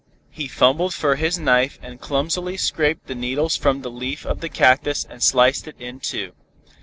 He fumbled for his knife and clumsily scraped the needles from a leaf of the cactus and sliced it in two.